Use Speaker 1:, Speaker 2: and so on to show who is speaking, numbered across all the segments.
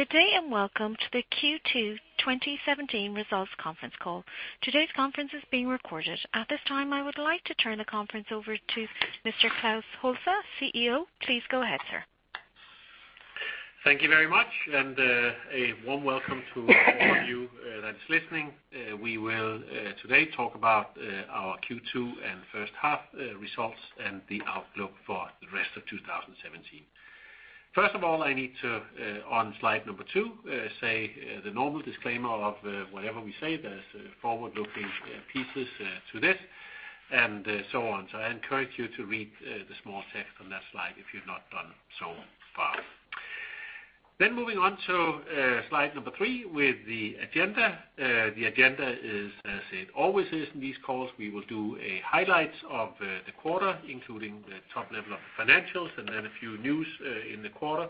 Speaker 1: Good day, welcome to the Q2 2017 results conference call. Today's conference is being recorded. At this time, I would like to turn the conference over to Mr. Klaus Holse, CEO. Please go ahead, sir.
Speaker 2: Thank you very much, a warm welcome to all of you that's listening. We will today talk about our Q2 and first half results. The outlook for the rest of 2017. First of all, I need to, on slide number two, say the normal disclaimer of whatever we say, there's forward-looking pieces to this and so on. I encourage you to read the small text on that slide if you've not done so far. Moving on to slide number three with the agenda. The agenda is as it always is in these calls. We will do a highlight of the quarter, including the top level of financials, a few news in the quarter.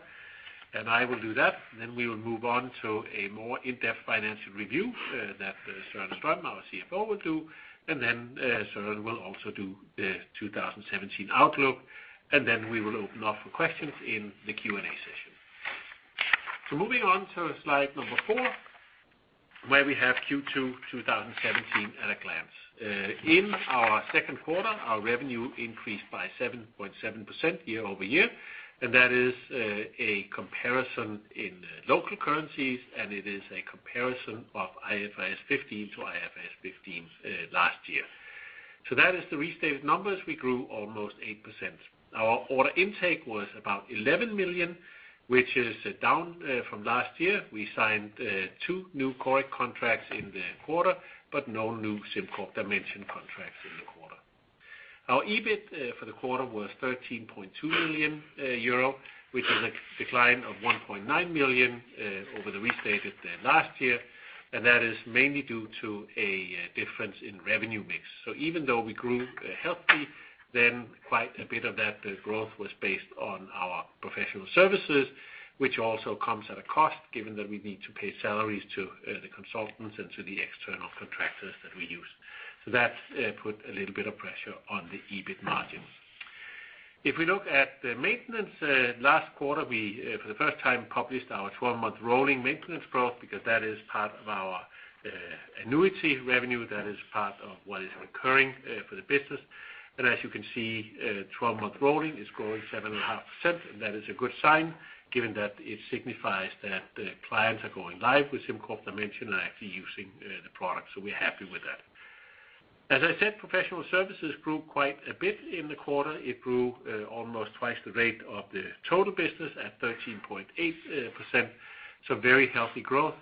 Speaker 2: I will do that. We will move on to a more in-depth financial review that Søren Strøm, our CFO, will do. Søren will also do the 2017 outlook. We will open up for questions in the Q&A session. Moving on to slide number four, where we have Q2 2017 at a glance. In our second quarter, our revenue increased by 7.7% year-over-year, that is a comparison in local currencies, it is a comparison of IFRS 15 to IFRS 15 last year. That is the restated numbers. We grew almost 8%. Our order intake was about 11 million, which is down from last year. We signed two new Coric contracts in the quarter, but no new SimCorp Dimension contracts in the quarter. Our EBIT for the quarter was 13.2 million euro, which is a decline of 1.9 million over the restated last year, that is mainly due to a difference in revenue mix. Even though we grew healthy, quite a bit of that growth was based on our professional services, which also comes at a cost, given that we need to pay salaries to the consultants and to the external contractors that we use. That put a little bit of pressure on the EBIT margins. If we look at the maintenance, last quarter, we, for the first time, published our 12-month rolling maintenance growth because that is part of our annuity revenue, that is part of what is recurring for the business. As you can see, 12-month rolling is growing 7.5%, that is a good sign given that it signifies that the clients are going live with SimCorp Dimension and actually using the product. We're happy with that. As I said, professional services grew quite a bit in the quarter. It grew almost twice the rate of the total business at 13.8%. A very healthy growth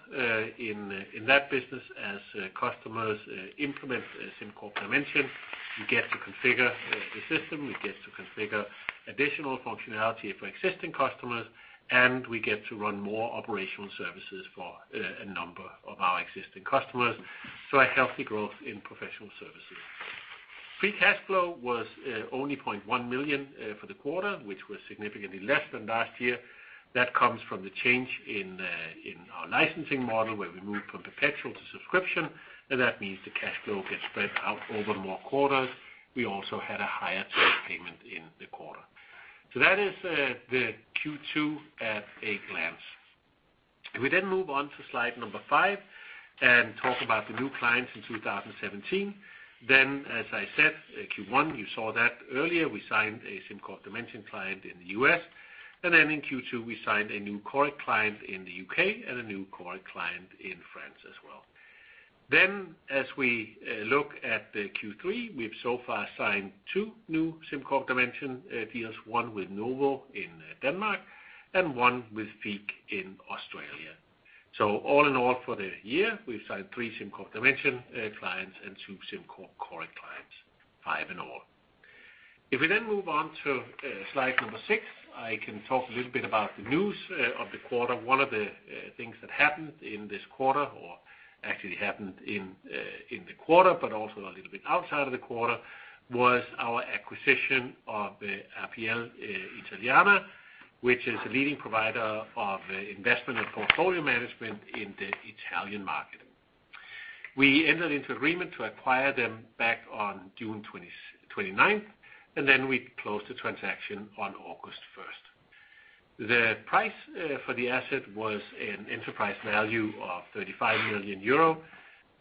Speaker 2: in that business as customers implement SimCorp Dimension, we get to configure the system, we get to configure additional functionality for existing customers, and we get to run more operational services for a number of our existing customers. A healthy growth in professional services. Free cash flow was only 0.1 million for the quarter, which was significantly less than last year. That comes from the change in our licensing model, where we moved from perpetual to subscription, and that means the cash flow gets spread out over more quarters. We also had a higher trade payment in the quarter. That is the Q2 at a glance. We then move on to slide number five and talk about the new clients in 2017. As I said, Q1, you saw that earlier. We signed a SimCorp Dimension client in the U.S. In Q2, we signed a new Coric client in the U.K. and a new Coric client in France as well. As we look at the Q3, we've so far signed two new SimCorp Dimension deals, one with Novo in Denmark and one with FIIG in Australia. All in all for the year, we've signed three SimCorp Dimension clients and two SimCorp Coric clients. Five in all. We then move on to slide number six, I can talk a little bit about the news of the quarter. One of the things that happened in this quarter, or actually happened in the quarter, but also a little bit outside of the quarter, was our acquisition of APL Italiana, which is a leading provider of investment and portfolio management in the Italian market. We entered into agreement to acquire them back on June 29th. We closed the transaction on August 1st. The price for the asset was an enterprise value of 35 million euro.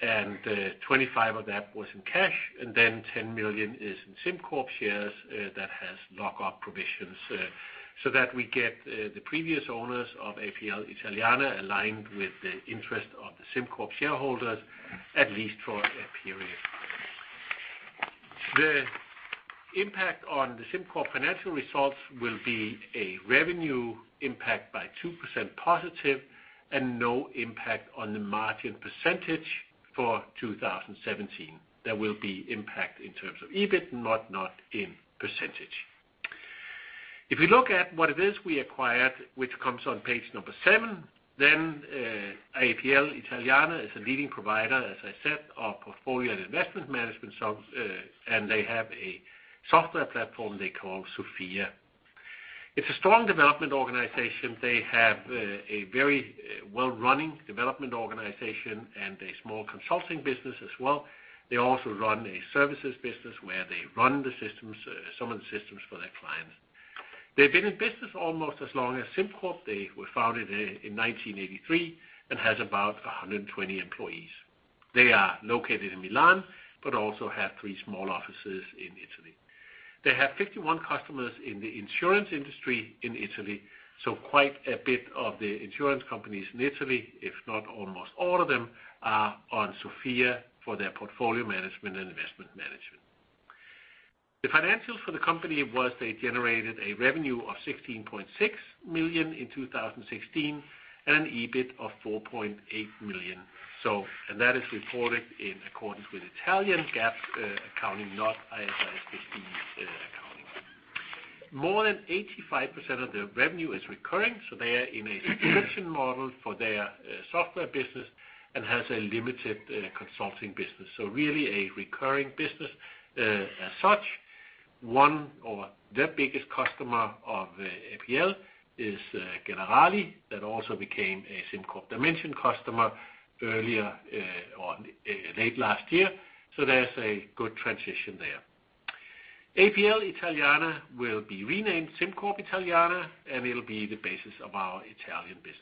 Speaker 2: 25 million of that was in cash. 10 million is in SimCorp shares that has lockup provisions so that we get the previous owners of APL Italiana aligned with the interest of the SimCorp shareholders, at least for a period. The impact on the SimCorp financial results will be a revenue impact by 2% positive and no impact on the margin percentage for 2017. There will be impact in terms of EBIT and not in percentage. We look at what it is we acquired, which comes on page number seven, APL Italiana is a leading provider, as I said, of portfolio and investment management, and they have a software platform they call Sofia. It's a strong development organization. They have a very well-running development organization and a small consulting business as well. They also run a services business where they run some of the systems for their clients. They've been in business almost as long as SimCorp. They were founded in 1983 and have about 120 employees. They are located in Milan, but also have three small offices in Italy. They have 51 customers in the insurance industry in Italy, so quite a bit of the insurance companies in Italy, if not almost all of them, are on Sofia for their portfolio management and investment management. The financials for the company was, they generated a revenue of 16.6 million in 2016 and an EBIT of 4.8 million. That is reported in accordance with Italian GAAP accounting, not IFRS 15 accounting. More than 85% of the revenue is recurring, so they are in a subscription model for their software business and have a limited consulting business. Really a recurring business as such. Their biggest customer of APL is Generali, that also became a SimCorp Dimension customer late last year, so there's a good transition there. APL Italiana will be renamed SimCorp Italiana, and it'll be the basis of our Italian business.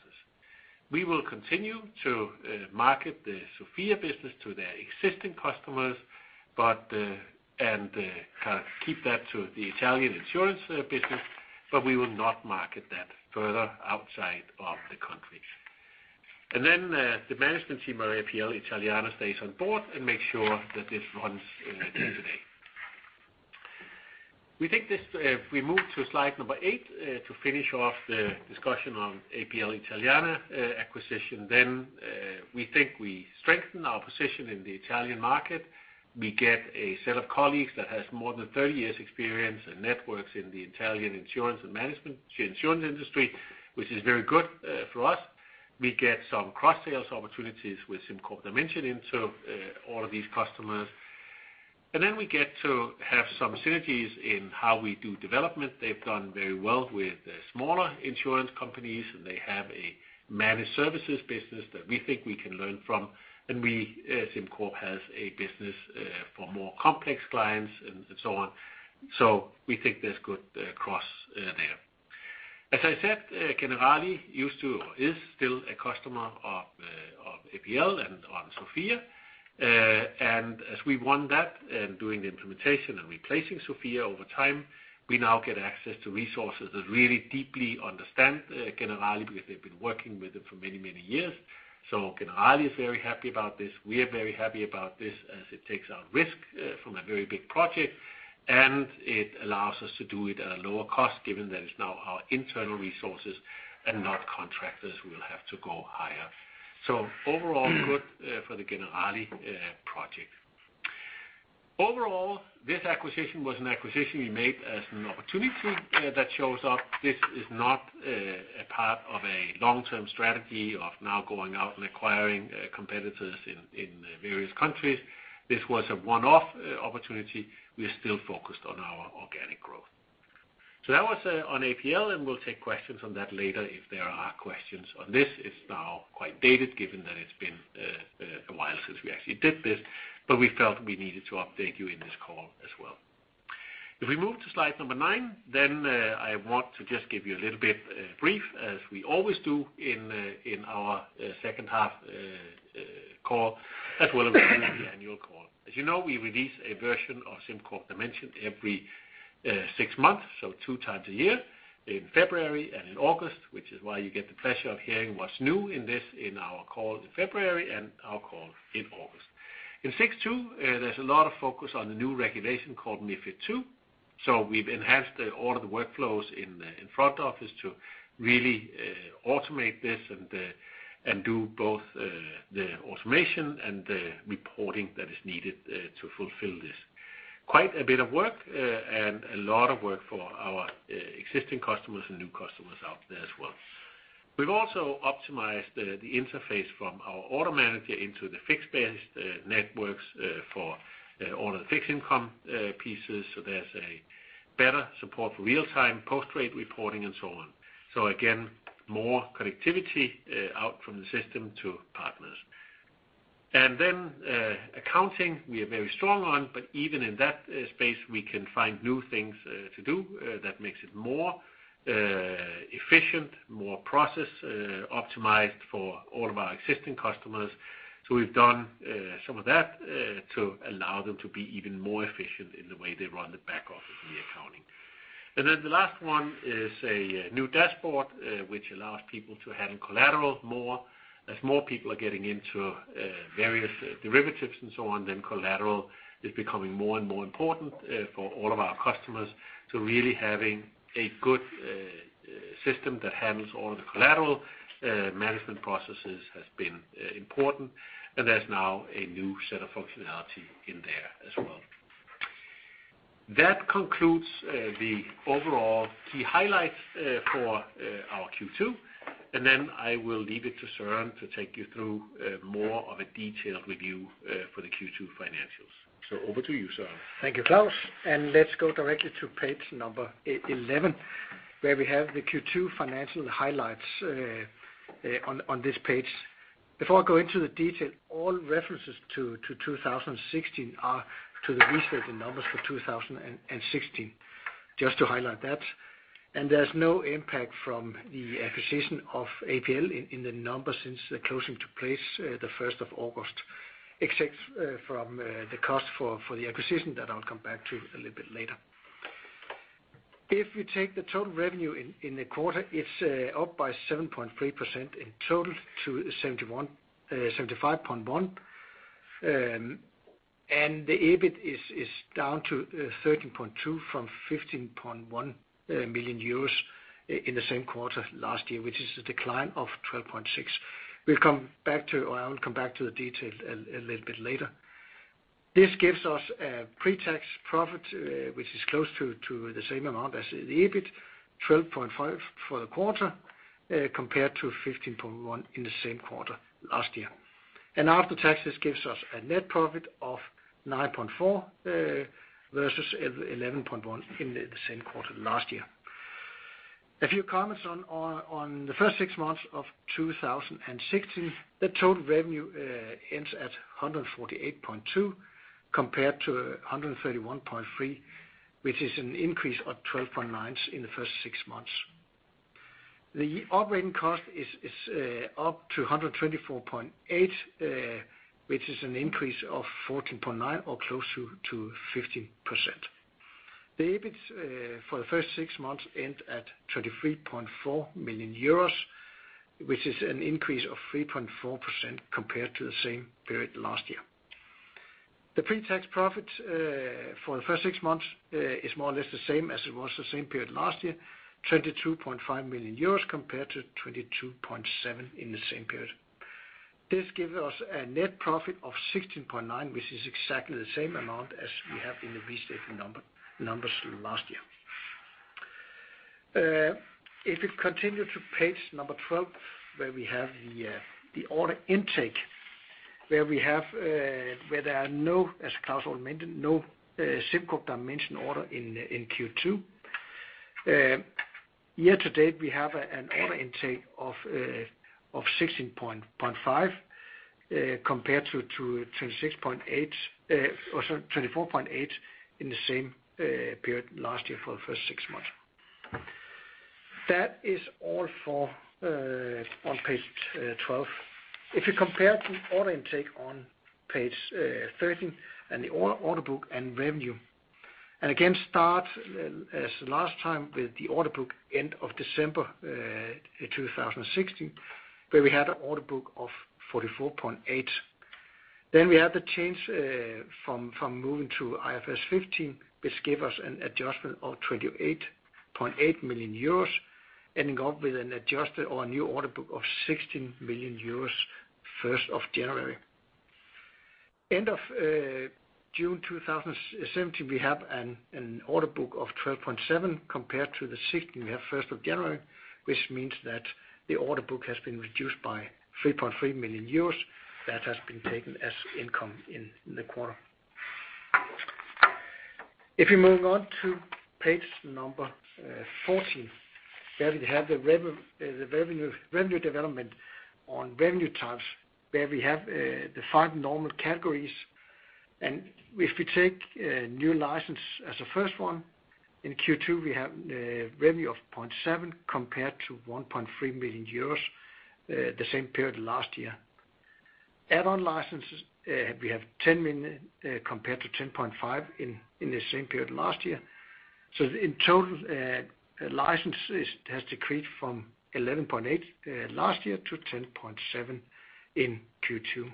Speaker 2: We will continue to market the Sofia business to their existing customers and keep that to the Italian insurance business, but we will not market that further outside of the country. The management team of APL Italiana stays on board and makes sure that this runs day to day. If we move to slide number eight to finish off the discussion on APL Italiana acquisition, then we think we strengthen our position in the Italian market. We get a set of colleagues that has more than 30 years' experience and networks in the Italian insurance and management insurance industry, which is very good for us. We get some cross-sales opportunities with SimCorp Dimension into all of these customers. We get to have some synergies in how we do development. They've done very well with the smaller insurance companies, and they have a managed services business that we think we can learn from. SimCorp has a business for more complex clients and so on. We think there's good cross there. As I said, Generali is still a customer of APL and on Sofia. As we won that and doing the implementation and replacing Sofia over time, we now get access to resources that really deeply understand Generali because they've been working with them for many, many years. Generali is very happy about this. We are very happy about this as it takes out risk from a very big project, and it allows us to do it at a lower cost given that it's now our internal resources and not contractors we will have to go hire. Overall, good for the Generali project. Overall, this acquisition was an acquisition we made as an opportunity that shows up. This is not a part of a long-term strategy of now going out and acquiring competitors in various countries. This was a one-off opportunity. We are still focused on our organic growth. That was on APL, and we'll take questions on that later if there are questions on this. It's now quite dated given that it's been a while since we actually did this, but we felt we needed to update you in this call as well. If we move to slide number nine, then I want to just give you a little bit brief, as we always do in our second half call, as well as in the annual call. As you know, we release a version of SimCorp Dimension every six months, so two times a year, in February and in August, which is why you get the pleasure of hearing what's new in this in our call in February and our call in August. In 6.2, there's a lot of focus on the new regulation called MiFID II. We've enhanced all of the workflows in front office to really automate this and do both the automation and the reporting that is needed to fulfill this. Quite a bit of work and a lot of work for our existing customers and new customers out there as well. We've also optimized the interface from our order manager into the FIX-based networks for all of the fixed income pieces. There's a better support for real-time post-trade reporting and so on. Again, more connectivity out from the system to partners. Accounting, we are very strong on, but even in that space, we can find new things to do that makes it more efficient, more process-optimized for all of our existing customers. We've done some of that to allow them to be even more efficient in the way they run the back office and the accounting. The last one is a new dashboard which allows people to handle collateral more. As more people are getting into various derivatives and so on, then collateral is becoming more and more important for all of our customers. Really having a good system that handles all the collateral management processes has been important, and there's now a new set of functionality in there as well. That concludes the overall key highlights for our Q2, and then I will leave it to Søren to take you through more of a detailed review for the Q2 financials. Over to you, Søren.
Speaker 3: Thank you, Claus. Let's go directly to page number 11, where we have the Q2 financial highlights on this page. Before I go into the detail, all references to 2016 are to the restated numbers for 2016, just to highlight that. There's no impact from the acquisition of APL in the numbers since the closing took place the 1st of August, except from the cost for the acquisition that I'll come back to a little bit later. If you take the total revenue in the quarter, it's up by 7.3% in total to 75.1 million. The EBIT is down to 13.2 million from 15.1 million euros in the same quarter last year, which is a decline of 12.6%. I will come back to the detail a little bit later. This gives us a pre-tax profit which is close to the same amount as the EBIT, 12.5 million for the quarter, compared to 15.1 million in the same quarter last year. After taxes, gives us a net profit of 9.4 million, versus 11.1 million in the same quarter last year. A few comments on the first six months of 2016. The total revenue ends at 148.2 million, compared to 131.3 million, which is an increase of 12.9% in the first six months. The operating cost is up to 124.8 million, which is an increase of 14.9% or close to 15%. The EBIT for the first six months end at 23.4 million euros, which is an increase of 3.4% compared to the same period last year. The pre-tax profit for the first six months is more or less the same as it was the same period last year, 22.5 million euros compared to 22.7 million in the same period. This gives us a net profit of 16.9 million, which is exactly the same amount as we have in the restated numbers last year. If we continue to page 12, where we have the order intake, where there are no, as Claus mentioned, no SimCorp Dimension order in Q2. Year to date, we have an order intake of 16.5 million, compared to 24.8 million in the same period last year for the first six months. That is all for on page 12. If you compare the order intake on page 13 and the order book and revenue. Start as last time with the order book end of December 2016, where we had an order book of 44.8 million. We had the change from moving to IFRS 15, which gave us an adjustment of 28.8 million euros, ending up with an adjusted or a new order book of 16 million euros 1st of January. End of June 2017, we have an order book of 12.7 million compared to the 16 million we have 1st of January, which means that the order book has been reduced by 3.3 million euros that has been taken as income in the quarter. If you move on to page 14, where we have the revenue development on revenue types, where we have the five normal categories. If we take a new license as the first one, in Q2, we have revenue of 0.7 million compared to 1.3 million euros, the same period last year. Add-on licenses, we have 10 million, compared to 10.5 million in the same period last year. In total, licenses has decreased from 11.8 million last year to 10.7 million in Q2.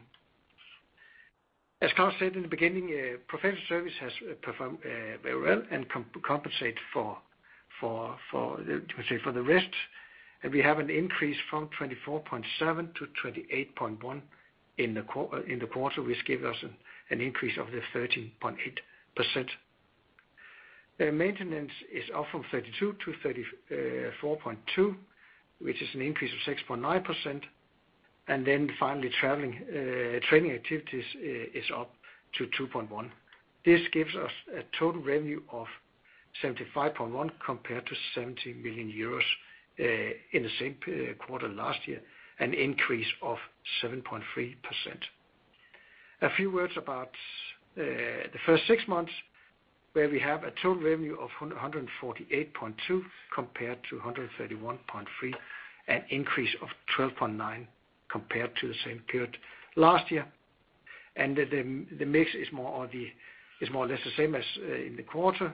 Speaker 3: As Claus said in the beginning, professional service has performed very well and compensate for the rest. We have an increase from 24.7 million to 28.1 million in the quarter, which give us an increase of the 13.8%. The maintenance is up from 32 million to 34.2 million, which is an increase of 6.9%. Finally, training activities is up to 2.1 million. This gives us a total revenue of 75.1 million compared to 70 million euros in the same quarter last year, an increase of 7.3%. A few words about the first six months, where we have a total revenue of 148.2 million compared to 131.3 million, an increase of 12.9% compared to the same period last year. The mix is more or less the same as in the quarter.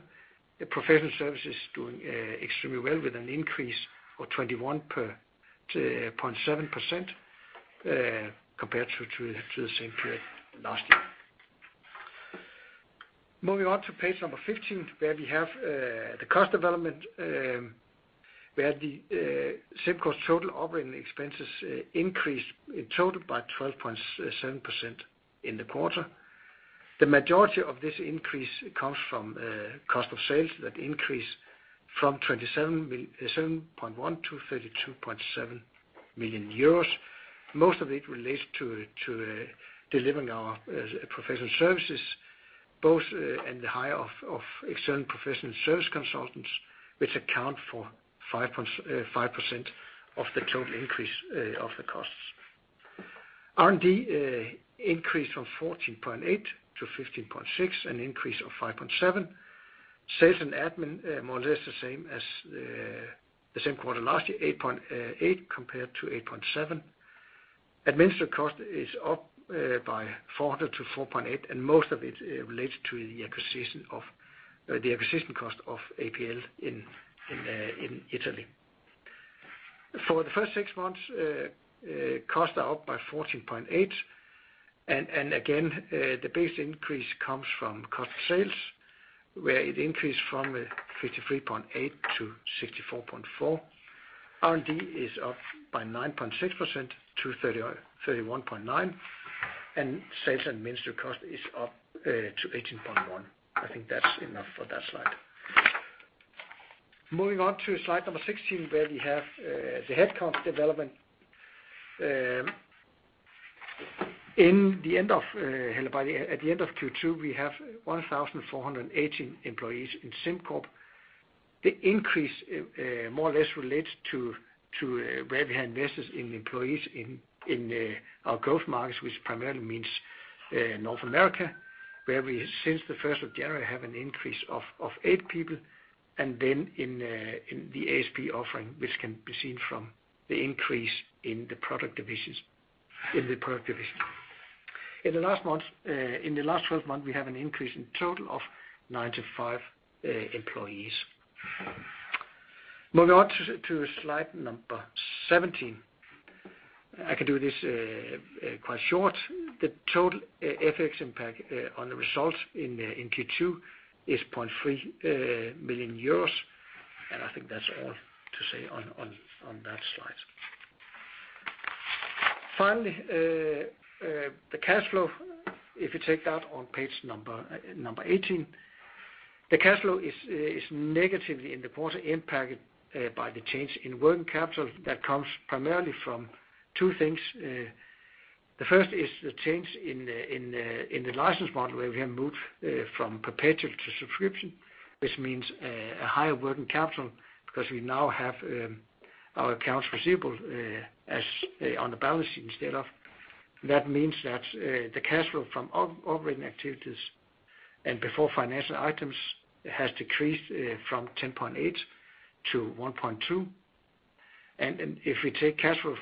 Speaker 3: The professional services doing extremely well with an increase of 21.7% compared to the same period last year. Moving on to page 15, where we have the cost development, where SimCorp's total operating expenses increased in total by 12.7% in the quarter. The majority of this increase comes from cost of sales that increased from 27.1 million to 32.7 million euros. Most of it relates to delivering our professional services Both and the hire of external professional service consultants, which account for 5% of the total increase of the costs. R&D increased from 14.8 million to 15.6 million, an increase of 5.7%. Sales and admin, more or less the same as the same quarter last year, 8.8 million compared to 8.7 million. Administrative cost is up by 0.4 million to 4.8 million, and most of it relates to the acquisition cost of APL in Italy. For the first six months, costs are up by 14.8%, the biggest increase comes from cost sales, where it increased from 53.8% to 64.4%. R&D is up by 9.6% to 31.9%, and sales and administrative cost is up to 18.1%. I think that's enough for that slide. Moving on to slide number 16, where we have the head count development. At the end of Q2, we have 1,418 employees in SimCorp. The increase more or less relates to where we have invested in employees in our growth markets, which primarily means North America, where we, since the 1st of January, have an increase of eight people, and then in the ASP offering, which can be seen from the increase in the product division. In the last 12 months, we have an increase in total of 95 employees. Moving on to slide number 17. I can do this quite short. The total FX impact on the results in Q2 is 0.3 million euros. I think that's all to say on that slide. The cash flow, if you take that on page number 18. The cash flow is negatively in the quarter impacted by the change in working capital that comes primarily from two things. The first is the change in the license model, where we have moved from perpetual to subscription, which means a higher working capital because we now have our accounts receivable on the balance sheet instead of. That means that the cash flow from operating activities and before financial items has decreased from 10.8 to 1.2. If we take cash flow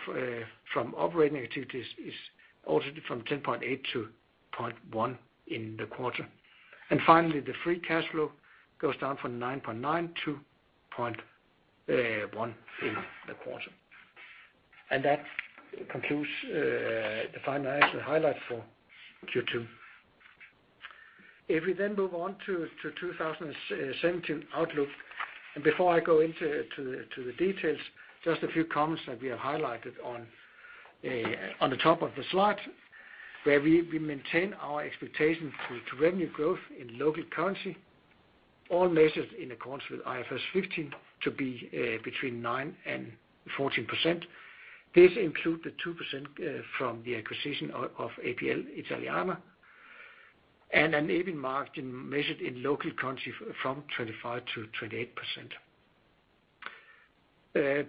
Speaker 3: from operating activities is also from 10.8 to 0.1 in the quarter. Finally, the free cash flow goes down from 9.9 to 0.1 in the quarter. That concludes the financial highlight for Q2. We move on to 2017 outlook, and before I go into the details, just a few comments that we have highlighted on the top of the slide, where we maintain our expectation to revenue growth in local currency, all measured in accordance with IFRS 15 to be between 9% and 14%. This include the 2% from the acquisition of APL Italiana, and an EBIT margin measured in local currency from 24% to 27%.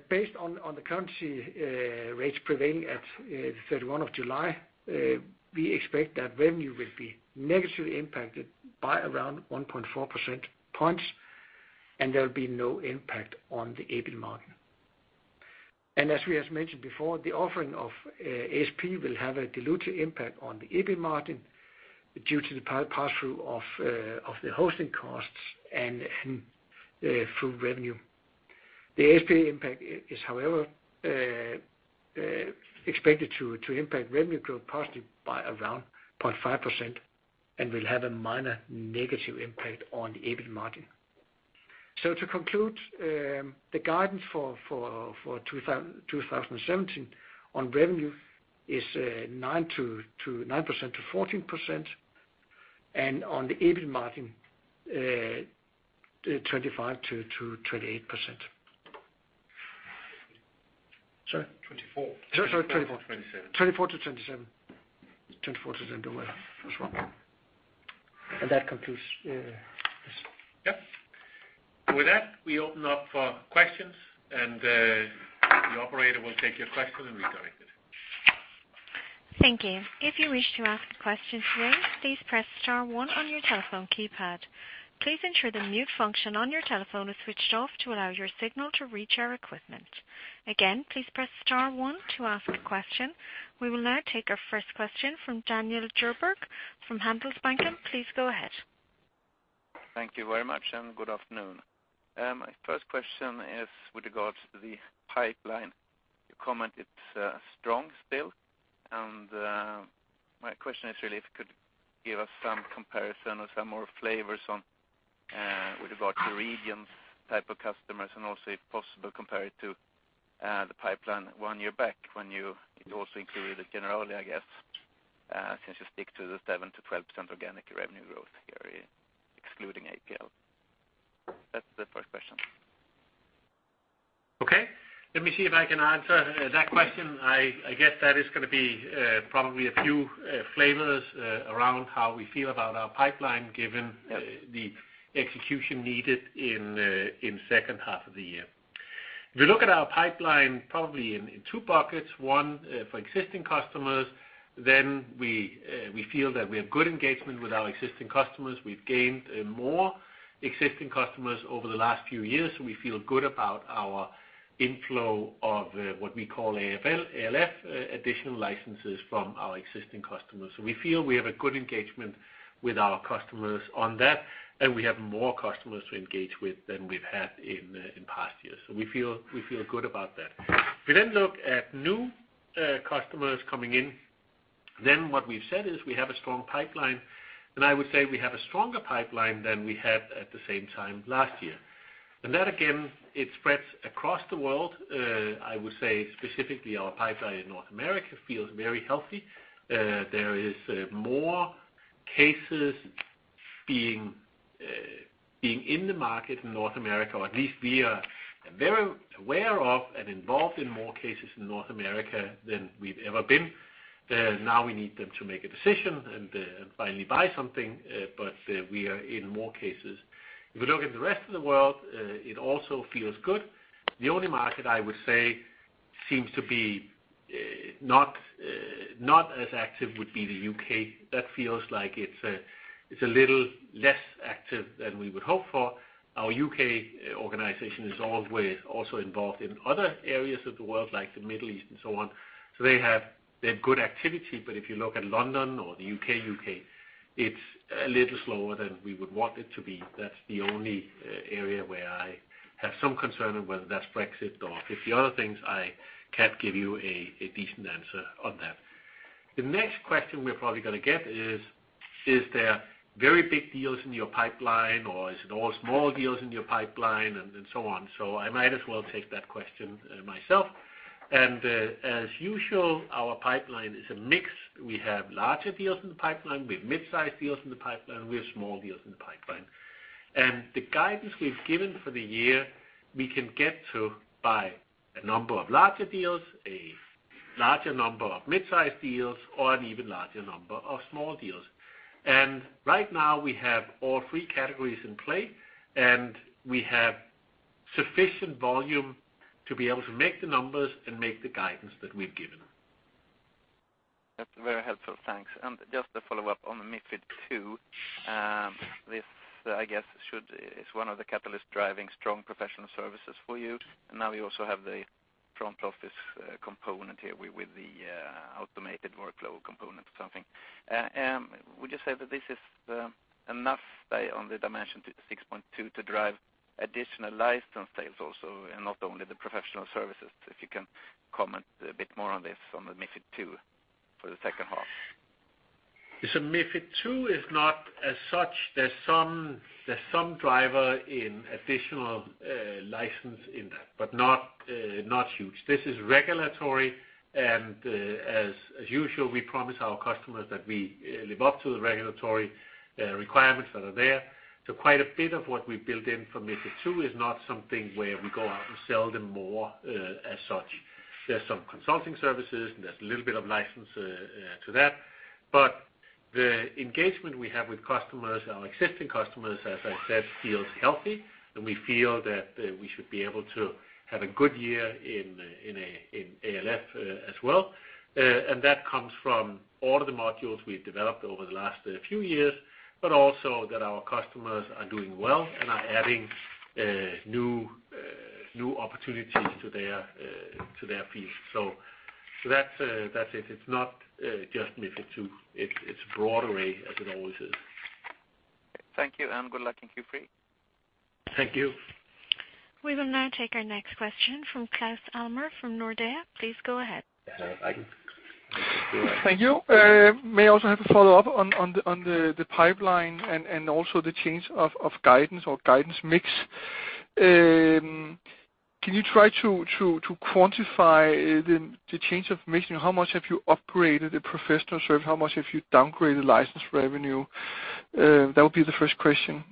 Speaker 3: Based on the currency rates prevailing at the 31st of July, we expect that revenue will be negatively impacted by around 1.4 percentage points, and there will be no impact on the EBIT margin. As we have mentioned before, the offering of ASP will have a dilutive impact on the EBIT margin due to the pass-through of the hosting costs and through revenue. The ASP impact is, however, expected to impact revenue growth positively by around 0.5% and will have a minor negative impact on the EBIT margin. To conclude, the guidance for 2017 on revenue is 9% to 14%, and on the EBIT margin,24% to 27%. Sorry?
Speaker 2: 24.
Speaker 3: Sorry, 24.
Speaker 2: 27.
Speaker 3: 24 to 27. That's wrong. That concludes this.
Speaker 2: Yep. With that, we open up for questions, and the operator will take your question and redirect it.
Speaker 1: Thank you. If you wish to ask a question today, please press star one on your telephone keypad. Please ensure the mute function on your telephone is switched off to allow your signal to reach our equipment. Again, please press star one to ask a question. We will now take our first question from Daniel Djurberg from Handelsbanken. Please go ahead.
Speaker 4: Thank you very much, and good afternoon. My first question is with regards to the pipeline. You comment it's strong still. My question is really if you could give us some comparison or some more flavors on, with regard to regions, type of customers, and also, if possible, compare it to the pipeline one year back when you also included Generali, I guess, since you stick to the 7%-12% organic revenue growth area, excluding APL. That's the first question.
Speaker 2: Let me see if I can answer that question. I guess that is going to be probably a few flavors around how we feel about our pipeline, given the execution needed in second half of the year. If you look at our pipeline, probably in two buckets, one for existing customers, then we feel that we have good engagement with our existing customers. We've gained more existing customers over the last few years. We feel good about our inflow of what we call ALF, additional licenses from our existing customers. We feel we have a good engagement with our customers on that, and we have more customers to engage with than we've had in past years. We feel good about that. If we then look at new customers coming in, then what we've said is we have a strong pipeline, and I would say we have a stronger pipeline than we had at the same time last year. That, again, it spreads across the world. I would say specifically our pipeline in North America feels very healthy. There is more cases being in the market in North America, or at least we are very aware of and involved in more cases in North America than we've ever been. Now we need them to make a decision and finally buy something. We are in more cases. If we look at the rest of the world, it also feels good. The only market I would say seems to be not as active would be the U.K. That feels like it's a little less active than we would hope for. Our U.K. organization is always also involved in other areas of the world, like the Middle East and so on. They have good activity. If you look at London or the U.K., U.K., it's a little slower than we would want it to be. That's the only area where I have some concern on whether that's Brexit or 50 other things. I can't give you a decent answer on that. The next question we're probably going to get is there very big deals in your pipeline or is it all small deals in your pipeline and so on. I might as well take that question myself. As usual, our pipeline is a mix. We have larger deals in the pipeline. We have mid-sized deals in the pipeline. We have small deals in the pipeline. The guidance we've given for the year, we can get to by a number of larger deals, a larger number of mid-size deals, or an even larger number of small deals. Right now we have all three categories in play, and we have sufficient volume to be able to make the numbers and make the guidance that we've given.
Speaker 4: That's very helpful. Thanks. Just to follow up on MiFID II. This, I guess is one of the catalysts driving strong professional services for you. Now you also have the front office component here with the automated workflow component or something. Would you say that this is enough on the SimCorp Dimension 6.2 to drive additional license sales also, and not only the professional services? If you can comment a bit more on this, on the MiFID II for the second half.
Speaker 2: MiFID II is not as such. There's some driver in additional license in that, but not huge. This is regulatory, and as usual, we promise our customers that we live up to the regulatory requirements that are there. Quite a bit of what we built in for MiFID II is not something where we go out and sell them more, as such. There's some consulting services and there's a little bit of license to that. The engagement we have with customers, our existing customers, as I said, feels healthy, and we feel that we should be able to have a good year in ALF as well. That comes from all of the modules we've developed over the last few years, but also that our customers are doing well and are adding new opportunities to their fees. That's it. It's not just MiFID II. It's broad array as it always is.
Speaker 4: Thank you and good luck in Q3.
Speaker 2: Thank you.
Speaker 1: We will now take our next question from Claus Almer from Nordea. Please go ahead.
Speaker 2: Yeah, I can do it.
Speaker 5: Thank you. May I also have a follow-up on the pipeline and also the change of guidance or guidance mix. Can you try to quantify the change of mix? How much have you upgraded the professional service? How much have you downgraded license revenue? That would be the first question.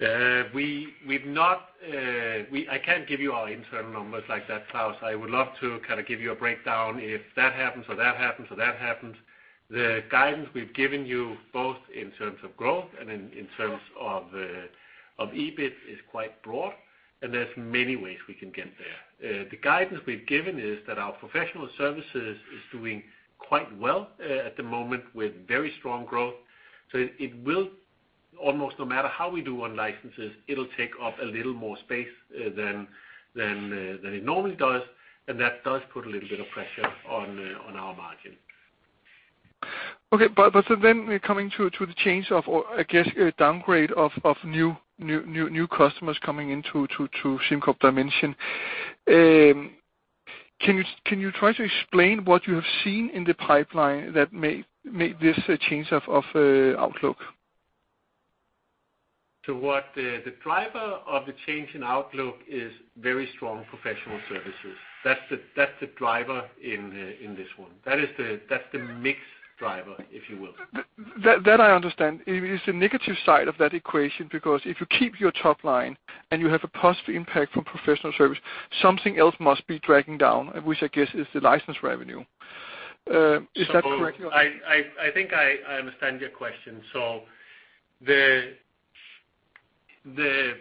Speaker 2: I can't give you our internal numbers like that, Claus. I would love to kind of give you a breakdown if that happens or that happens or that happens. The guidance we've given you, both in terms of growth and in terms of EBIT, is quite broad, and there's many ways we can get there. The guidance we've given is that our professional services is doing quite well at the moment with very strong growth. It will, almost no matter how we do on licenses, it'll take up a little more space than it normally does. That does put a little bit of pressure on our margin.
Speaker 5: Okay. We're coming to the change of, or I guess, a downgrade of new customers coming into SimCorp Dimension. Can you try to explain what you have seen in the pipeline that made this change of outlook?
Speaker 2: The driver of the change in outlook is very strong professional services. That's the driver in this one. That's the mix driver, if you will.
Speaker 5: That I understand. It's the negative side of that equation, because if you keep your top line and you have a positive impact from professional service, something else must be dragging down, which I guess is the license revenue.
Speaker 2: I think I understand your question. The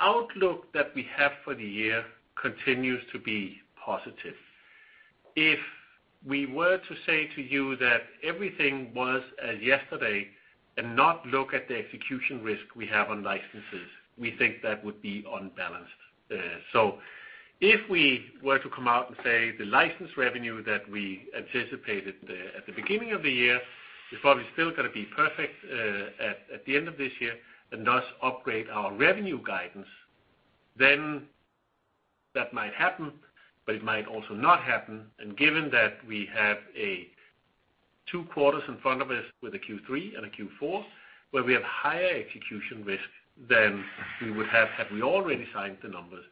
Speaker 2: outlook that we have for the year continues to be positive. If we were to say to you that everything was as yesterday and not look at the execution risk we have on licenses, we think that would be unbalanced. If we were to come out and say the license revenue that we anticipated at the beginning of the year is probably still going to be perfect at the end of this year, and thus upgrade our revenue guidance, then that might happen, but it might also not happen. Given that we have two quarters in front of us with a Q3 and a Q4, where we have higher execution risk than we would have had we already signed the numbers,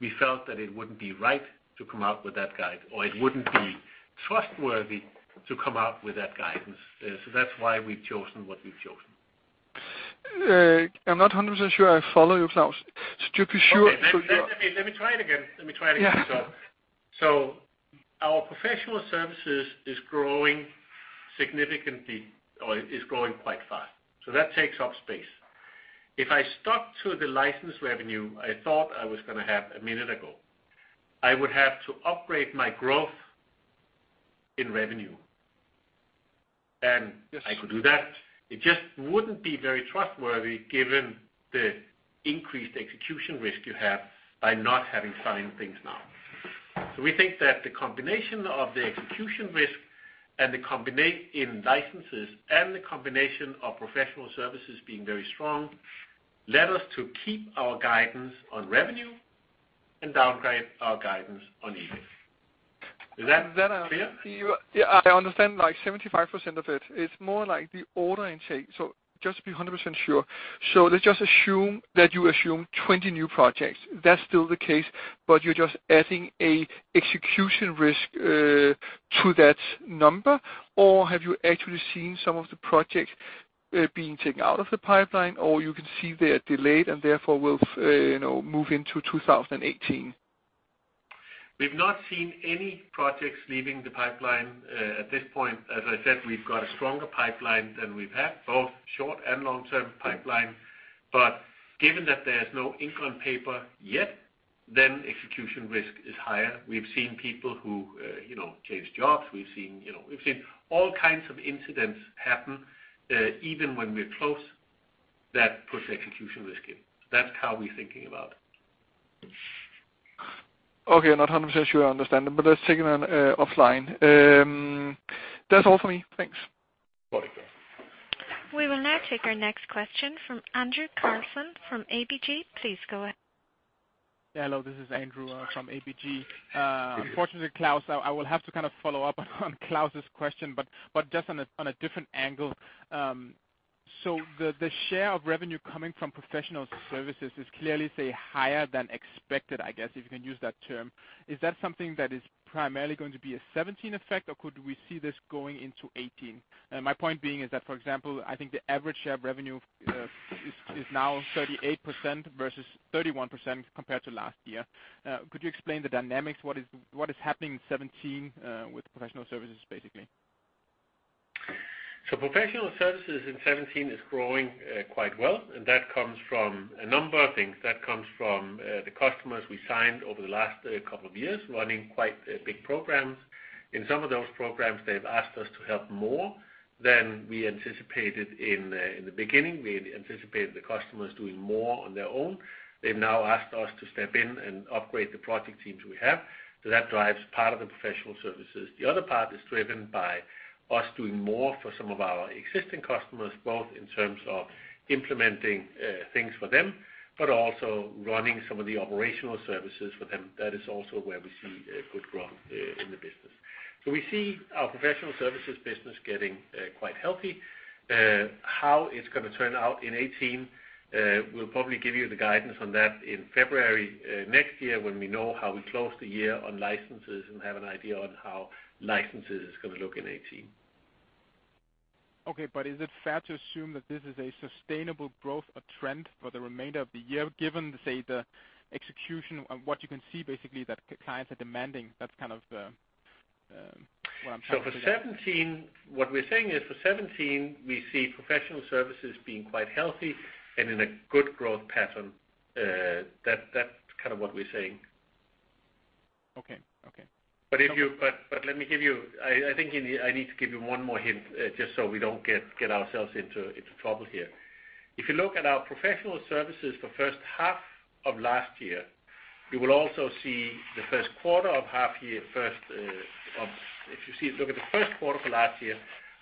Speaker 2: we felt that it wouldn't be right to come out with that guide, or it wouldn't be trustworthy to come out with that guidance. That's why we've chosen what we've chosen.
Speaker 5: I'm not 100% sure I follow you, Claus. Just to be sure.
Speaker 2: Okay. Let me try it again.
Speaker 5: Yeah.
Speaker 2: Our professional services is growing significantly, or is growing quite fast. That takes up space. If I stuck to the license revenue I thought I was going to have a minute ago, I would have to upgrade my growth in revenue.
Speaker 5: Yes.
Speaker 2: I could do that. It just wouldn't be very trustworthy given the increased execution risk you have by not having signed things now. We think that the combination of the execution risk in licenses, and the combination of professional services being very strong, led us to keep our guidance on revenue and downgrade our guidance on EBIT. Is that clear?
Speaker 5: I understand 75% of it. It's more like the order intake. Just to be 100% sure. Let's just assume that you assume 20 new projects. That's still the case, but you're just adding a execution risk to that number. Have you actually seen some of the projects being taken out of the pipeline? You can see they're delayed and therefore will move into 2018?
Speaker 2: We've not seen any projects leaving the pipeline at this point. As I said, we've got a stronger pipeline than we've had, both short and long-term pipeline. Given that there's no ink on paper yet, execution risk is higher. We've seen people who change jobs. We've seen all kinds of incidents happen, even when we're close. That puts execution risk in. That's how we're thinking about it.
Speaker 5: Okay. Not 100% sure I understand it, let's take it on offline. That's all for me. Thanks.
Speaker 2: Okay.
Speaker 1: We will now take our next question from Andreas Carlson from ABG. Please go ahead.
Speaker 6: Hello, this is Andreas from ABG. Unfortunately, Claus, I will have to kind of follow up on Claus' question, just on a different angle. The share of revenue coming from professional services is clearly, say, higher than expected, I guess, if you can use that term. Is that something that is primarily going to be a 2017 effect, or could we see this going into 2018? My point being is that, for example, I think the average share of revenue is now 38% versus 31% compared to last year. Could you explain the dynamics? What is happening in 2017, with professional services, basically?
Speaker 2: Professional services in 2017 is growing quite well, that comes from a number of things. That comes from the customers we signed over the last couple of years, running quite big programs. In some of those programs, they've asked us to help more than we anticipated in the beginning. We had anticipated the customers doing more on their own. They've now asked us to step in and upgrade the project teams we have. That drives part of the professional services. The other part is driven by us doing more for some of our existing customers, both in terms of implementing things for them, but also running some of the operational services for them. That is also where we see good growth in the business. We see our professional services business getting quite healthy. How it's going to turn out in 2018, we'll probably give you the guidance on that in February next year when we know how we close the year on licenses and have an idea on how licenses is going to look in 2018.
Speaker 6: Is it fair to assume that this is a sustainable growth or trend for the remainder of the year, given, say, the execution of what you can see, basically, that clients are demanding? That's kind of what I'm trying to get at.
Speaker 2: For 2017, what we're saying is for 2017, we see professional services being quite healthy and in a good growth pattern. That's kind of what we're saying.
Speaker 6: Okay.
Speaker 2: I think I need to give you one more hint, just so we don't get ourselves into trouble here. If you look at our professional services for first half of last year, you will also see the first quarter of half year first. If you look at the first quarter for last year,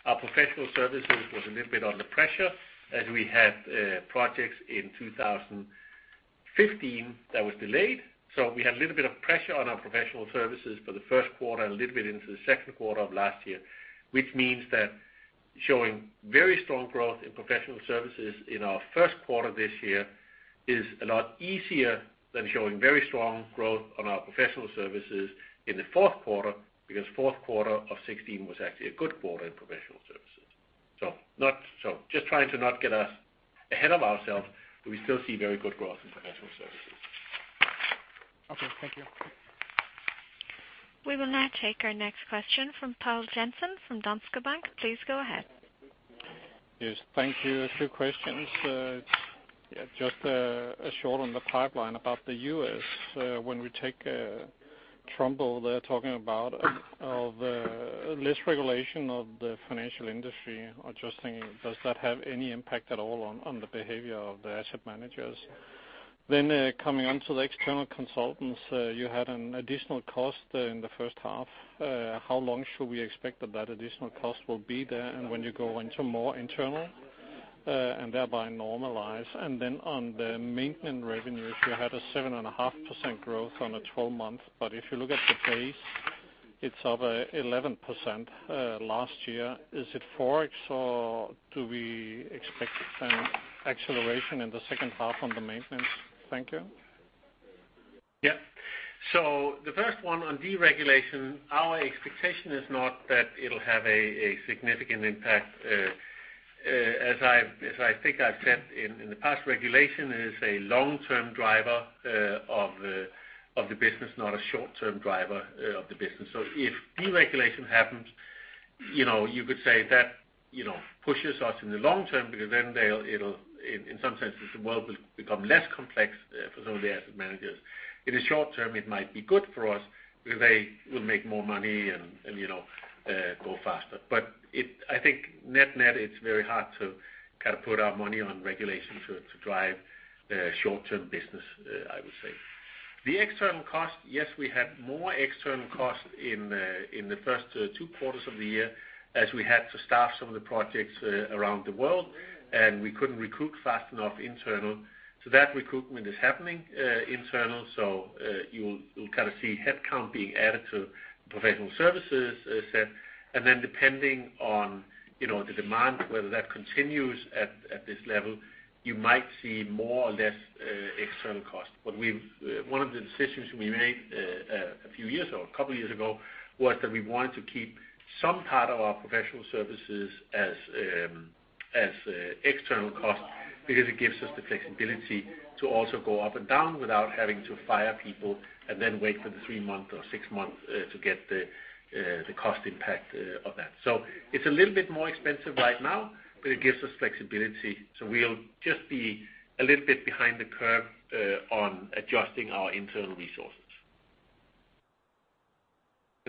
Speaker 2: our professional services was a little bit under pressure as we had projects in 2015 that was delayed. We had a little bit of pressure on our professional services for the first quarter and a little bit into the second quarter of last year, which means that showing very strong growth in professional services in our first quarter this year is a lot easier than showing very strong growth on our professional services in the fourth quarter, because fourth quarter of 2016 was actually a good quarter in professional services. Just trying to not get us ahead of ourselves, but we still see very good growth in professional services.
Speaker 6: Okay, thank you.
Speaker 1: We will now take our next question from Poul Jessen from Danske Bank. Please go ahead.
Speaker 7: Yes. Thank you. Two questions. Just a short on the pipeline about the U.S. When we take Trump, they're talking about less regulation of the financial industry. I'm just thinking, does that have any impact at all on the behavior of the asset managers? Coming onto the external consultants, you had an additional cost in the first half. How long should we expect that additional cost will be there, and when you go into more internal, and thereby normalize? On the maintenance revenue, if you had a 7.5% growth on a 12-month, but if you look at the pace, it's up 11% last year. Is it FX, or do we expect some acceleration in the second half on the maintenance? Thank you.
Speaker 2: The first one on deregulation, our expectation is not that it'll have a significant impact. As I think I've said in the past, regulation is a long-term driver of the business, not a short-term driver of the business. If deregulation happens, you could say that pushes us in the long term because then in some sense, the world will become less complex for some of the asset managers. In the short term, it might be good for us because they will make more money and go faster. I think net-net, it's very hard to put our money on regulation to drive short-term business, I would say. The external cost, yes, we had more external cost in the first two quarters of the year as we had to staff some of the projects around the world, and we couldn't recruit fast enough internal. That recruitment is happening internal, so you'll see headcount being added to professional services set. Depending on the demand, whether that continues at this level, you might see more or less external cost. One of the decisions we made a few years or a couple of years ago was that we wanted to keep some part of our professional services as external cost because it gives us the flexibility to also go up and down without having to fire people and then wait for the three-month or six-month to get the cost impact of that. It's a little bit more expensive right now, but it gives us flexibility. We'll just be a little bit behind the curve on adjusting our internal resources.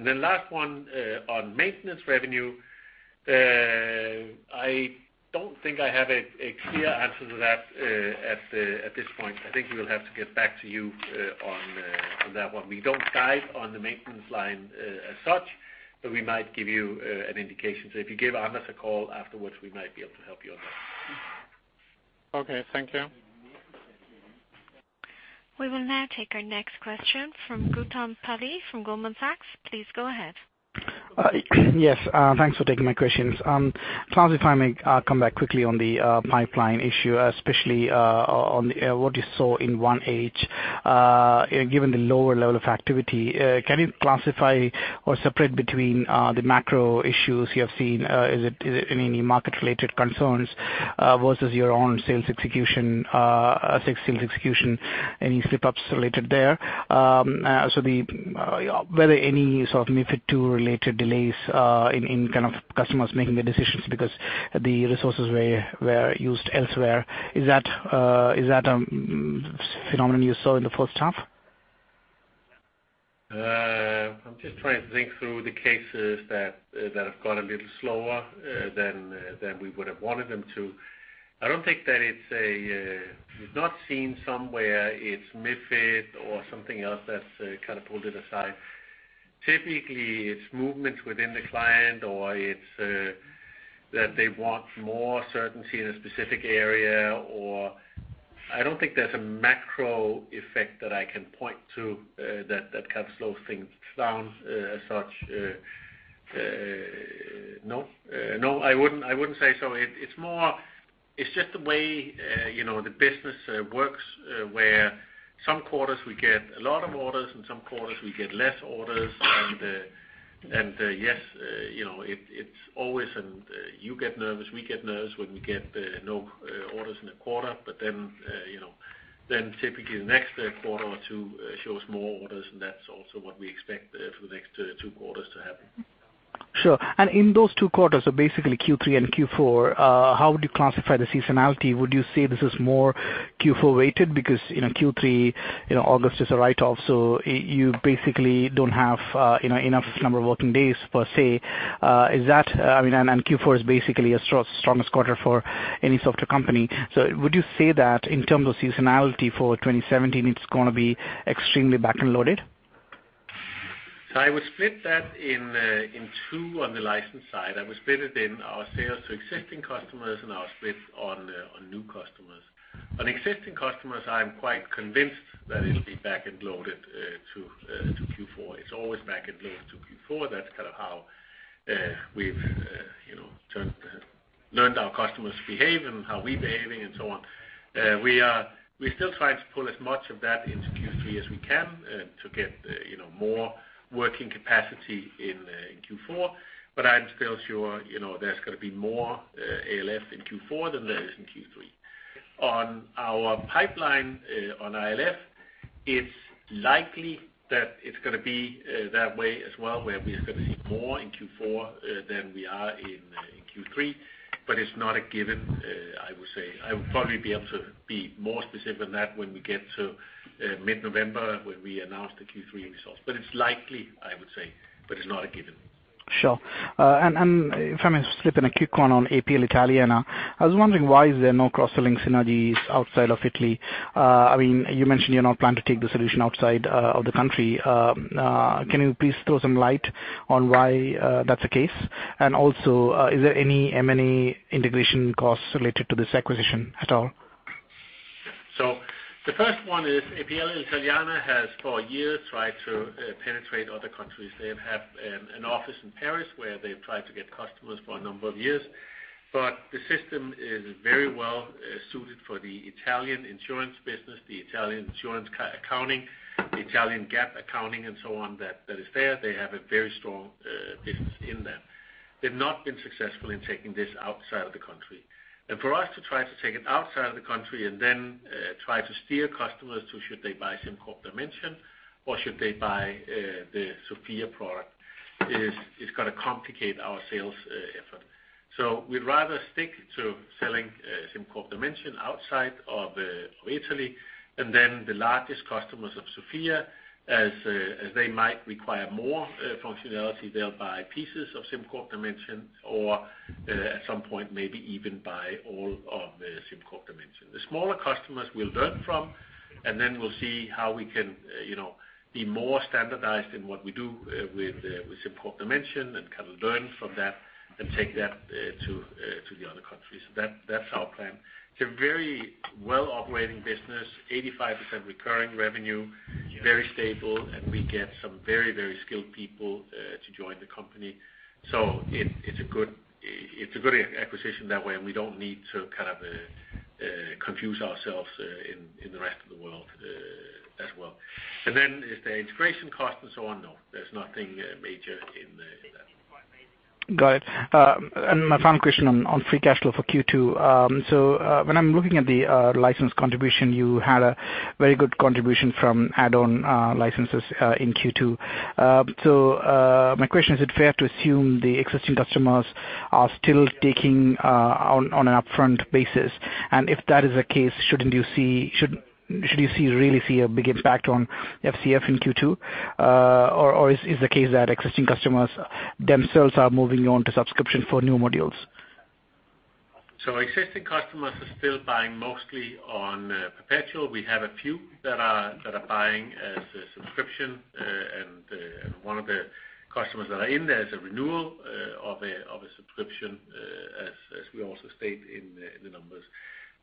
Speaker 2: Last one, on maintenance revenue, I don't think I have a clear answer to that at this point. I think we will have to get back to you on that one. We don't guide on the maintenance line as such, but we might give you an indication. If you give Anders a call afterwards, we might be able to help you on that.
Speaker 7: Okay, thank you.
Speaker 1: We will now take our next question from Gautam Pillai from Goldman Sachs. Please go ahead.
Speaker 8: Yes. Thanks for taking my questions. Klaus, if I may come back quickly on the pipeline issue, especially on what you saw in 1H. Given the lower level of activity, can you classify or separate between the macro issues you have seen? Is it any market-related concerns versus your own sales execution, any slip-ups related there? Were there any sort of MiFID II related delays in kind of customers making the decisions because the resources were used elsewhere? Is that a phenomenon you saw in the first half?
Speaker 2: I'm just trying to think through the cases that have gone a little slower than we would have wanted them to. I don't think that it's We've not seen somewhere it's MiFID or something else that's kind of pulled it aside. Typically, it's movements within the client, or it's that they want more certainty in a specific area. I don't think there's a macro effect that I can point to that kind of slows things down as such. No. I wouldn't say so. It's just the way the business works, where some quarters we get a lot of orders and some quarters we get less orders. Yes, it's always you get nervous, we get nervous when we get no orders in a quarter, typically the next quarter or two shows more orders, and that's also what we expect for the next two quarters to happen.
Speaker 8: Sure. In those two quarters, so basically Q3 and Q4, how would you classify the seasonality? Would you say this is more Q4 weighted because Q3, August is a write-off, so you basically don't have enough number of working days per se. Q4 is basically a strongest quarter for any software company. Would you say that in terms of seasonality for 2017, it's going to be extremely back-end loaded?
Speaker 2: I would split that in two on the license side. I would split it in our sales to existing customers and I'll split on new customers. On existing customers, I'm quite convinced that it'll be back-end loaded to Q4. It's always back-end loaded to Q4. That's kind of how we've learned our customers behave and how we're behaving and so on. We're still trying to pull as much of that into Q3 as we can to get more working capacity in Q4, but I'm still sure there's going to be more ALF in Q4 than there is in Q3. On our pipeline on ILF, it's likely that it's going to be that way as well, where we are going to see more in Q4 than we are in Q3, but it's not a given, I would say. I would probably be able to be more specific on that when we get to mid-November, when we announce the Q3 results. It's likely, I would say, but it's not a given.
Speaker 8: Sure. If I may slip in a quick one on APL Italiana. I was wondering why is there no cross-selling synergies outside of Italy? You mentioned you're not planning to take the solution outside of the country. Can you please throw some light on why that's the case? Also, is there any M&A integration costs related to this acquisition at all?
Speaker 2: The first one is APL Italiana has for years tried to penetrate other countries. They have an office in Paris where they've tried to get customers for a number of years. The system is very well-suited for the Italian insurance business, the Italian insurance accounting, the Italian GAAP accounting and so on that is there. They have a very strong business in that. They've not been successful in taking this outside of the country. For us to try to take it outside of the country and then try to steer customers to should they buy SimCorp Dimension or should they buy the Sofia product, is going to complicate our sales effort. We'd rather stick to selling SimCorp Dimension outside of Italy, and then the largest customers of Sofia, as they might require more functionality, they'll buy pieces of SimCorp Dimension or at some point maybe even buy all of SimCorp Dimension. The smaller customers we'll learn from, and then we'll see how we can be more standardized in what we do with SimCorp Dimension and can learn from that and take that to the other countries. That's our plan. It's a very well-operating business, 85% recurring revenue.
Speaker 8: Yeah
Speaker 2: Very stable, and we get some very skilled people to join the company. It's a good acquisition that way, and we don't need to confuse ourselves in the rest of the world as well. If there are integration costs and so on, no, there's nothing major in that.
Speaker 8: Got it. My final question on free cash flow for Q2. When I'm looking at the license contribution, you had a very good contribution from add-on licenses in Q2. My question, is it fair to assume the existing customers are still taking on an upfront basis? If that is the case, should you really see a big impact on FCF in Q2? Is the case that existing customers themselves are moving on to subscription for new modules?
Speaker 2: Existing customers are still buying mostly on perpetual. We have a few that are buying as a subscription. One of the customers that are in there is a renewal of a subscription, as we also state in the numbers.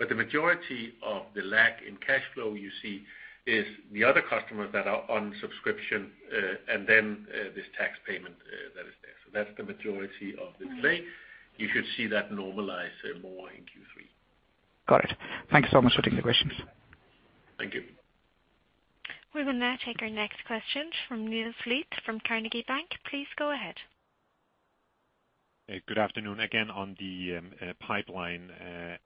Speaker 2: The majority of the lag in cash flow you see is the other customers that are on subscription, and then this tax payment that is there. That's the majority of the delay. You should see that normalize more in Q3.
Speaker 8: Got it. Thank you so much for taking the questions.
Speaker 2: Thank you.
Speaker 1: We will now take our next question from Niels Granholm-Leth from Carnegie Bank. Please go ahead.
Speaker 9: Good afternoon. On the pipeline.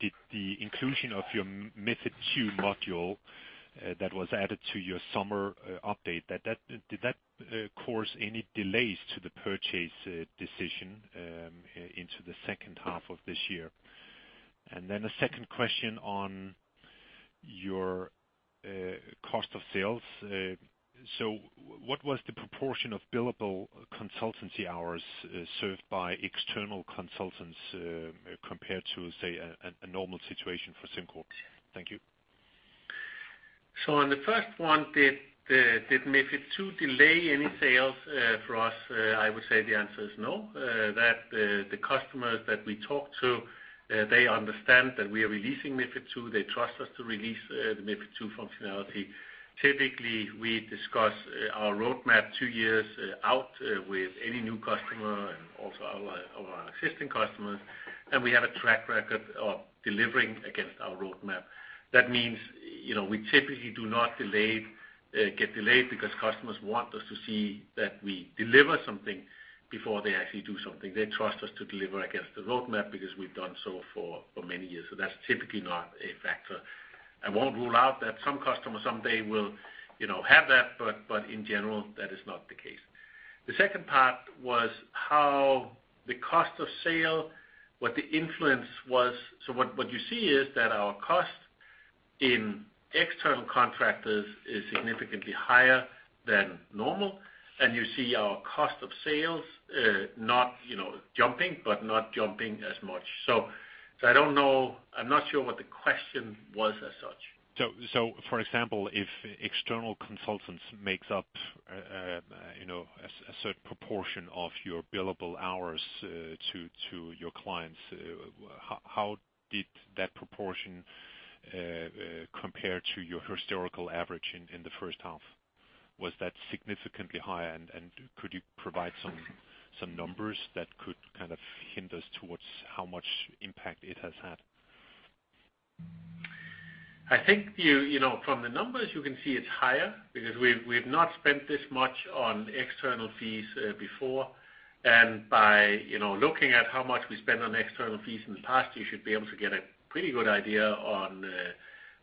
Speaker 9: Did the inclusion of your MiFID II module that was added to your summer update, did that cause any delays to the purchase decision into the second half of this year? A second question on your cost of sales. What was the proportion of billable consultancy hours served by external consultants, compared to, say, a normal situation for SimCorp? Thank you.
Speaker 2: On the first one, did MiFID II delay any sales for us? I would say the answer is no. That the customers that we talk to, they understand that we are releasing MiFID II. They trust us to release the MiFID II functionality. Typically, we discuss our roadmap two years out with any new customer and also our existing customers, and we have a track record of delivering against our roadmap. That means we typically do not get delayed because customers want us to see that we deliver something before they actually do something. They trust us to deliver against the roadmap because we've done so for many years. That's typically not a factor. I won't rule out that some customers someday will have that, but in general, that is not the case. The second part was how the cost of sale, what the influence was. What you see is that our cost in external contractors is significantly higher than normal, and you see our cost of sales not jumping, but not jumping as much. I'm not sure what the question was as such.
Speaker 9: For example, if external consultants makes up a certain proportion of your billable hours to your clients, how did that proportion compare to your historical average in the first half? Was that significantly higher? Could you provide some numbers that could kind of hint us towards how much impact it has had?
Speaker 2: I think from the numbers you can see it's higher because we've not spent this much on external fees before. By looking at how much we spent on external fees in the past, you should be able to get a pretty good idea on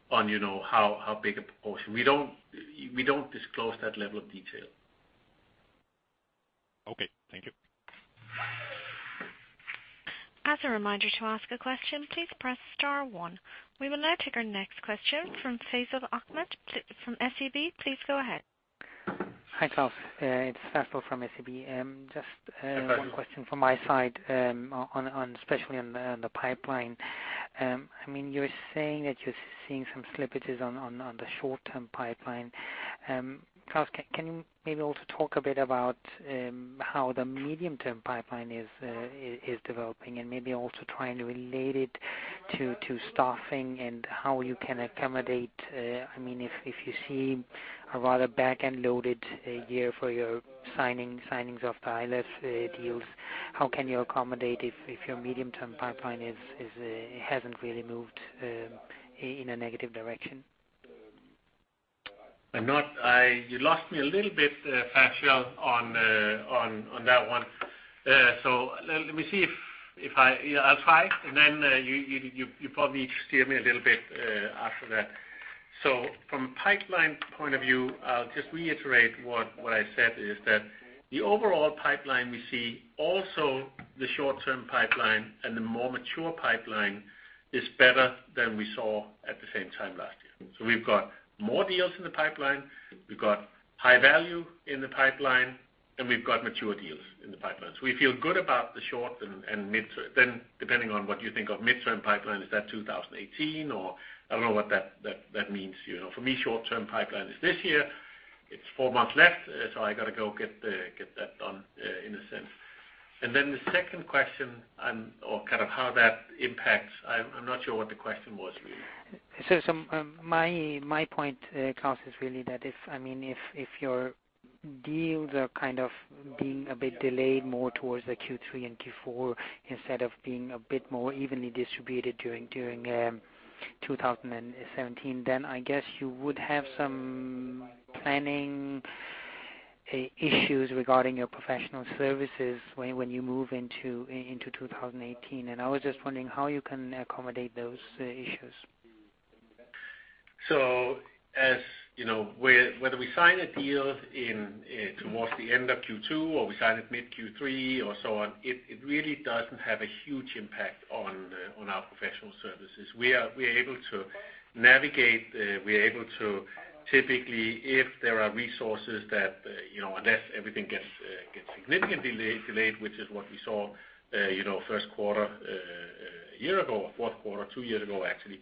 Speaker 2: how big a proportion. We don't disclose that level of detail.
Speaker 9: Okay, thank you.
Speaker 1: As a reminder, to ask a question, please press star 1. We will now take our next question from Faisal Ahmed from SEB. Please go ahead.
Speaker 10: Hi, Klaus. It's Faisal from SEB.
Speaker 2: Hi.
Speaker 10: Just one question from my side, especially on the pipeline. You're saying that you're seeing some slippages on the short-term pipeline. Klaus, can you maybe also talk a bit about how the medium-term pipeline is developing and maybe also trying to relate it to staffing and how you can accommodate, if you see a rather back-end loaded year for your signings of the ILF deals, how can you accommodate if your medium-term pipeline hasn't really moved in a negative direction?
Speaker 2: You lost me a little bit, Faisal, on that one. Let me see. I'll try, then you probably steer me a little bit after that. From a pipeline point of view, I'll just reiterate what I said is that the overall pipeline we see, also the short-term pipeline and the more mature pipeline, is better than we saw at the same time last year. We've got more deals in the pipeline, we've got high value in the pipeline, and we've got mature deals in the pipeline. We feel good about the short and mid. Depending on what you think of mid-term pipeline, is that 2018 or I don't know what that means. For me, short-term pipeline is this year. It's four months left, so I got to go get that done in a sense. The second question or kind of how that impacts, I'm not sure what the question was really.
Speaker 10: My point, Claus, is really that if your deals are kind of being a bit delayed more towards the Q3 and Q4 instead of being a bit more evenly distributed during 2017, I guess you would have some planning issues regarding your professional services when you move into 2018. I was just wondering how you can accommodate those issues.
Speaker 2: Whether we sign a deal towards the end of Q2 or we sign it mid Q3 or so on, it really doesn't have a huge impact on our professional services. We are able to navigate. We are able to typically, if there are resources that, unless everything gets significantly delayed, which is what we saw first quarter a year ago, or fourth quarter two years ago, actually,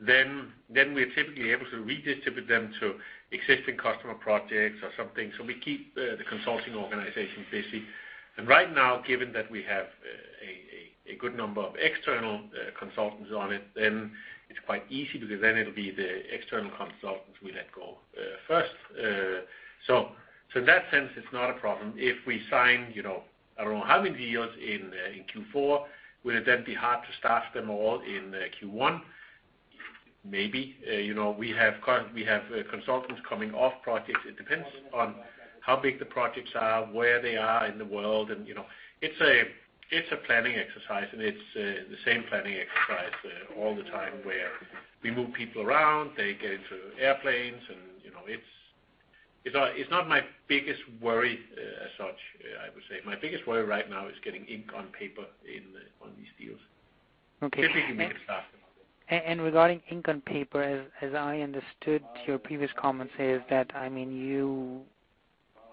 Speaker 2: we're typically able to redistribute them to existing customer projects or something. We keep the consulting organization busy. Right now, given that we have a good number of external consultants on it's quite easy because it'll be the external consultants we let go first. In that sense, it's not a problem. If we sign, I don't know how many deals in Q4, will it then be hard to staff them all in Q1? Maybe. We have consultants coming off projects. It depends on how big the projects are, where they are in the world, it's a planning exercise, and it's the same planning exercise all the time where we move people around, they get into airplanes, it's not my biggest worry as such, I would say. My biggest worry right now is getting ink on paper on these deals.
Speaker 10: Okay.
Speaker 2: Typically, we get staffed.
Speaker 10: Regarding ink on paper, as I understood your previous comments is that you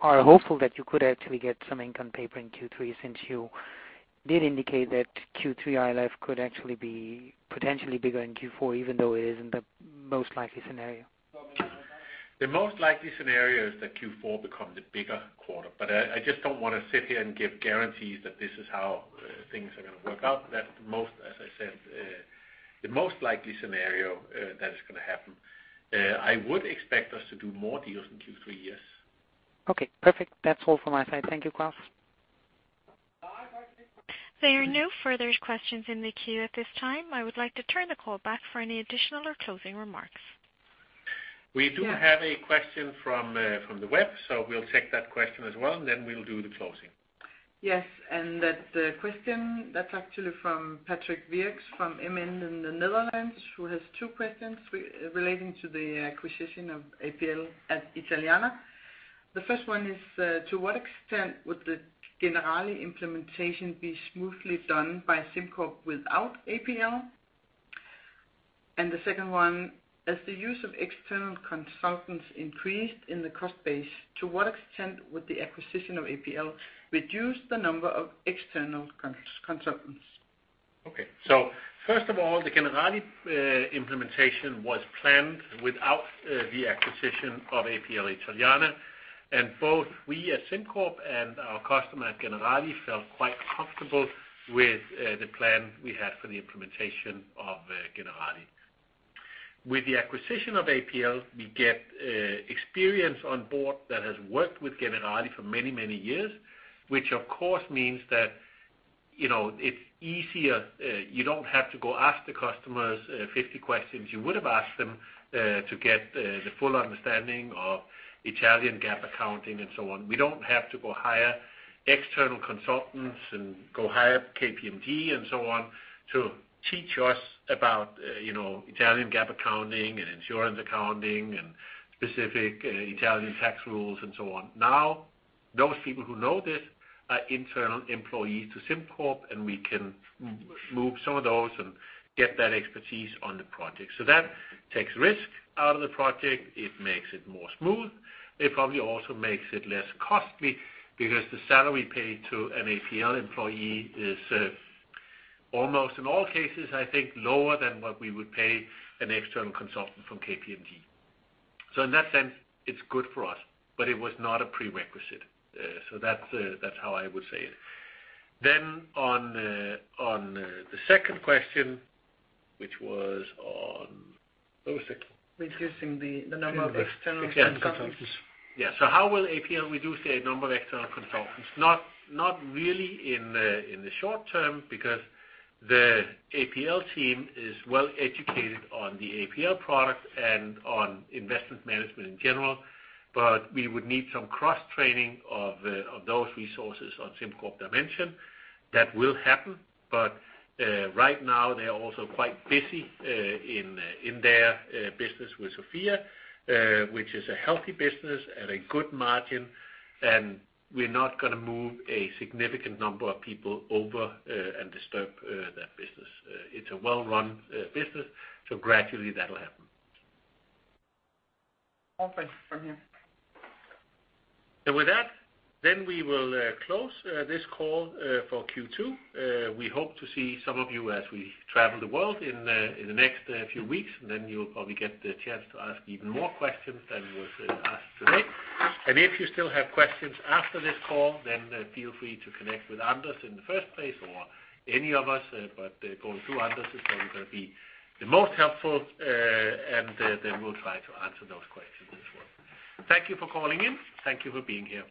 Speaker 10: are hopeful that you could actually get some ink on paper in Q3, since you did indicate that Q3 ILF could actually be potentially bigger in Q4, even though it isn't the most likely scenario.
Speaker 2: The most likely scenario is that Q4 become the bigger quarter. I just don't want to sit here and give guarantees that this is how things are going to work out. That's, as I said, the most likely scenario that is going to happen. I would expect us to do more deals in Q3, yes.
Speaker 10: Okay, perfect. That's all from my side. Thank you, Claus.
Speaker 1: There are no further questions in the queue at this time. I would like to turn the call back for any additional or closing remarks.
Speaker 2: We do have a question from the web, we'll take that question as well, and then we'll do the closing.
Speaker 11: That question, that's actually from Patrick Wirtz from MN in the Netherlands, who has two questions relating to the acquisition of APL Italiana. The first one is: To what extent would the Generali implementation be smoothly done by SimCorp without APL? The second one: As the use of external consultants increased in the cost base, to what extent would the acquisition of APL reduce the number of external consultants?
Speaker 2: First of all, the Generali implementation was planned without the acquisition of APL Italiana, and both we at SimCorp and our customer at Generali felt quite comfortable with the plan we had for the implementation of Generali. With the acquisition of APL, we get experience on board that has worked with Generali for many, many years, which of course means that It's easier. You don't have to go ask the customers 50 questions you would have asked them to get the full understanding of Italian GAAP accounting and so on. We don't have to go hire external consultants and go hire KPMG and so on to teach us about Italian GAAP accounting and insurance accounting and specific Italian tax rules and so on. Those people who know this are internal employees to SimCorp, and we can move some of those and get that expertise on the project. That takes risk out of the project. It makes it more smooth. It probably also makes it less costly because the salary paid to an APL employee is almost, in all cases, I think, lower than what we would pay an external consultant from KPMG. In that sense, it's good for us, but it was not a prerequisite. That's how I would say it. On the second question, which was on, what was the second?
Speaker 11: Reducing the number of external consultants.
Speaker 2: Yeah. So how will APL reduce the number of external consultants? Not really in the short term, because the APL team is well-educated on the APL product and on investment management in general. But we would need some cross-training of those resources on SimCorp Dimension. That will happen, but right now they are also quite busy in their business with Sofia, which is a healthy business at a good margin, and we're not going to move a significant number of people over and disturb that business. It's a well-run business, so gradually that'll happen.
Speaker 11: All thanks from here.
Speaker 2: With that, we will close this call for Q2. We hope to see some of you as we travel the world in the next few weeks, and then you'll probably get the chance to ask even more questions than you have asked today. If you still have questions after this call, then feel free to connect with Anders in the first place or any of us, but going through Anders is probably going to be the most helpful, and then we'll try to answer those questions as well. Thank you for calling in. Thank you for being here.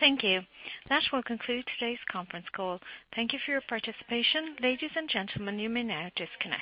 Speaker 1: Thank you. That will conclude today's conference call. Thank you for your participation. Ladies and gentlemen, you may now disconnect.